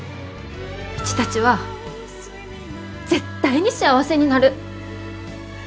うちたちは絶対に幸せになる！